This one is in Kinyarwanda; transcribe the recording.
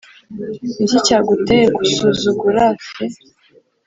niki cyaguteye kusuzugura c